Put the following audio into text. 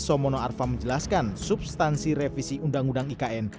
arso mono arfa menjelaskan substansi revisi undang undang ikn